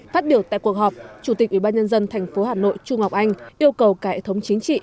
phát biểu tại cuộc họp chủ tịch ubnd tp hà nội trung ngọc anh yêu cầu cả hệ thống chính trị